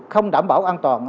không đảm bảo an toàn